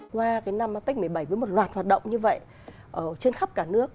qua năm apec hai nghìn một mươi bảy với một loạt hoạt động như vậy trên khắp cả nước